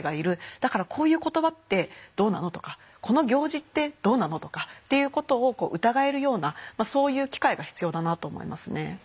だからこういう言葉ってどうなの？」とか「この行事ってどうなの？」とかっていうことを疑えるようなそういう機会が必要だなと思いますね。